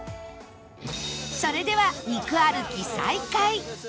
それでは肉歩き再開